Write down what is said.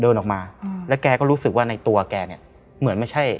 เดินออกมาอืมแล้วแกก็รู้สึกว่าในตัวแกเนี่ยเหมือนไม่ใช่